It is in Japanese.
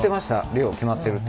量決まってるって。